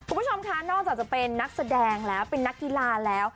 คุณผู้ชมค่ะนอกจากจะเป็นนักแสดงแล้วเป็นนักกีฬาแล้ว